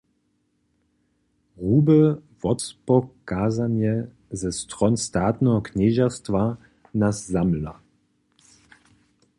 Hrube wotpokazanje ze stron statneho knježerstwa nas zamyla.